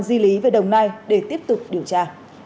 di lý về đồng nai để tiếp tục điều tra